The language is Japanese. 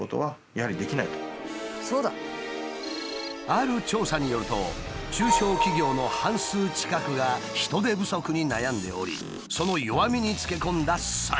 ある調査によると中小企業の半数近くが人手不足に悩んでおりその弱みにつけ込んだ詐欺。